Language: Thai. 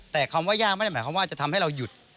แต่คำว่ายากไม่ได้หมายความว่าจะทำให้เราหยุด